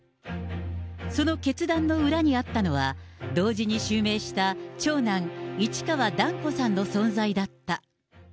その決断の裏にあったのは、同時に襲名した長男、市川團子さんの存在だった。